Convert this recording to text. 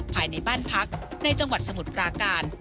ภายในบ้านพักในจังหวัดสมุทรปราการ